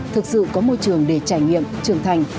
thực sự có môi trường để trải nghiệm trưởng thành